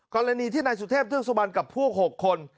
กรณีที่นายสุเทพเทือกสุบันกับพวก๖คน